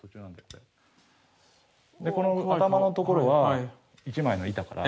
この頭のところは一枚の板から。